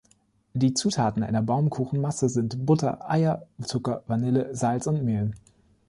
Die Zutaten einer Baumkuchen-Masse sind Butter, Eier, Zucker, Vanille, Salz und Mehl.